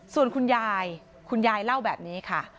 ส่วนคุณยายคุณยายเล่าแบบนี้ค่ะ